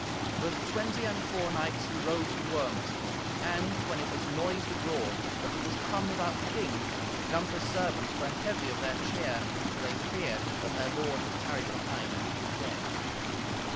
With twenty and four knights he rode to Worms. And when it was noised abroad that he was come without the king, Gunther's servants were heavy of their cheer, for they feared that their lord had tarried behind, dead.